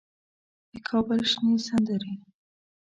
د کابل شنې سندرې